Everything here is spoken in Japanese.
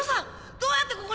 どうやってここに？